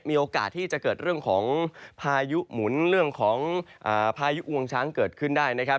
มีโอกาสที่จะเกิดเรื่องของพายุหมุนเรื่องของพายุอวงช้างเกิดขึ้นได้นะครับ